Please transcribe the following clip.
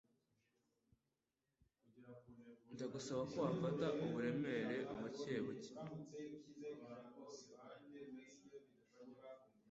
Ndagusaba ko wafatana uburemere buke buke.